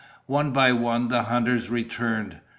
One by one, the hunters returned.